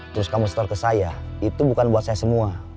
terus kamu store ke saya itu bukan buat saya semua